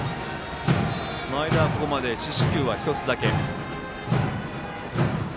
前田、ここまで四死球は１つだけ。